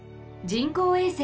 人工衛星？